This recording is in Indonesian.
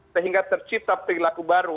sehingga tercipta perilaku baru